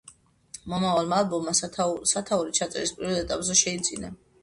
მომავალმა ალბომმა სათაური ჩაწერის პირველ ეტაპზევე შეიძინა.